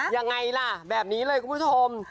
ยังไงล่ะแบบนี้เลยคุณผู้ชม